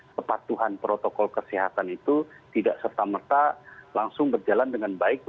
kepatuhan protokol kesehatan itu tidak serta merta langsung berjalan dengan baik